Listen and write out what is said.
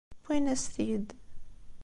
Wwin-as-t-id.